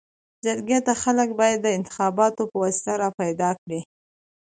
جرګي ته خلک باید د انتخاباتو پواسطه لار پيداکړي.